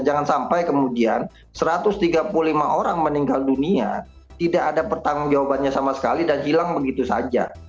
jangan sampai kemudian satu ratus tiga puluh lima orang meninggal dunia tidak ada pertanggung jawabannya sama sekali dan hilang begitu saja